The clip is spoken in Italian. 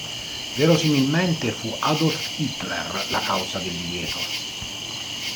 Verosimilmente fu Adolf Hitler la causa del divieto.